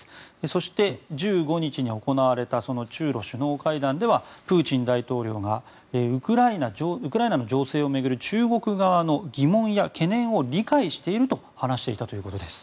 そして、１５日に行われた中ロ首脳会談ではプーチン大統領がウクライナの情勢を巡る中国側の疑問や懸念を理解していると話していたということです。